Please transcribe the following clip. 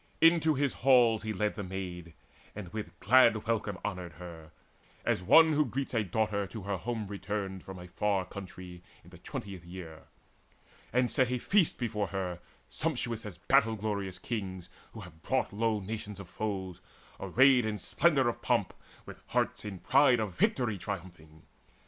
Into his halls he led the Maid, And with glad welcome honoured her, as one Who greets a daughter to her home returned From a far country in the twentieth year; And set a feast before her, sumptuous As battle glorious kings, who have brought low Nations of foes, array in splendour of pomp, With hearts in pride of victory triumphing.